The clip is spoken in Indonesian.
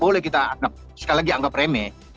boleh kita anggap sekali lagi anggap remeh